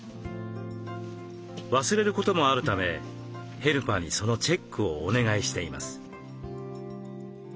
忘れることもあるためヘルパーにそのチェックをお願いしています。